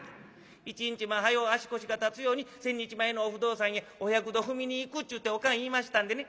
一日も早う足腰が立つように千日前のお不動さんへお百度踏みに行く』ちゅうておかん言いましたんでね